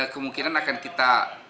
kemungkinan akan kita